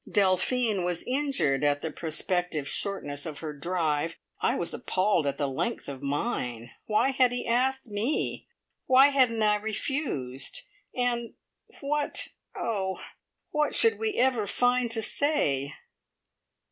Delphine was injured at the prospective shortness of her drive; I was appalled at the length of mine. Why had he asked me? Why hadn't I refused, and what oh! what should we ever find to say?